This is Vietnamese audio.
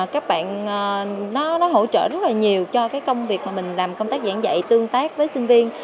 các bạn nó hỗ trợ rất là nhiều cho cái công việc mà mình làm công tác giảng dạy tương tác với sinh viên